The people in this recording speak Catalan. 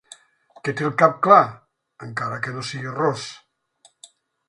Que té el cap clar, encara que no sigui ros.